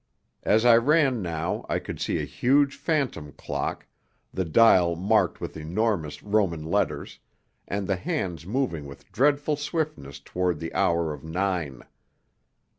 As I ran now I could see a huge phantom clock, the dial marked with enormous Roman letters, and the hands moving with dreadful swiftness toward the hour of nine.